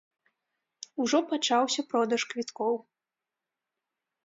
Ужо пачаўся продаж квіткоў.